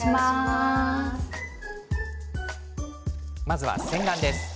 まずは、洗顔です。